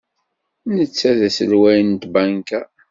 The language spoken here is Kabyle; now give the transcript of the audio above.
Netta d aselway n tbanka.